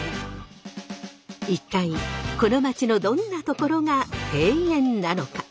一体この街のどんなところが庭園なのか？